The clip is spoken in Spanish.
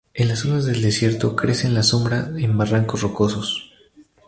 En las zonas del desierto, crece en la sombra en barrancos rocosos.